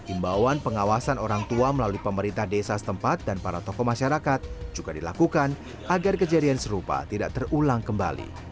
imbauan pengawasan orang tua melalui pemerintah desa setempat dan para tokoh masyarakat juga dilakukan agar kejadian serupa tidak terulang kembali